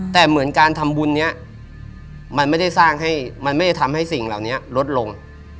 แต่เหมือนการทำบุญนี้มันไม่ได้สร้างให้มันไม่ได้ทำให้สิ่งเหล่านี้ลดลง